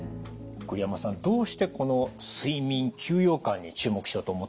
栗山さんどうしてこの睡眠休養感に注目しようと思ったんですか？